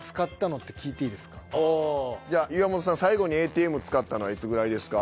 じゃあ岩本さん最後にＡＴＭ使ったのはいつぐらいですか？